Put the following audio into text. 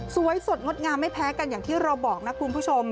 สวยสดงดงามไม่แพ้กันอย่างที่เราบอกนะคุณผู้ชม